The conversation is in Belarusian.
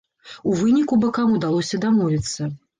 У выніку бакам удалося дамовіцца.